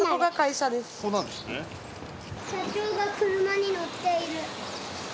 社長が車に乗っている。